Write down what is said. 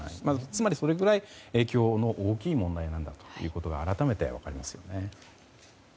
つまり、それぐらい影響の大きい問題なんだということが改めて分かりますよね。